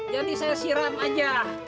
jadi saya siram aja